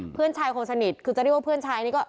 เพื่อนชายคนสนิทคือจะเรียกว่าเพื่อนชายนี่ก็